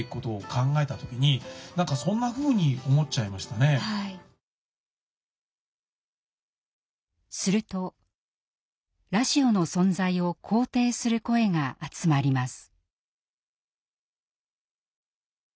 たくさんの方がするとラジオの存在を肯定する声が集まります。